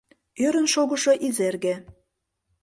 Ӧрын шогышо Изерге.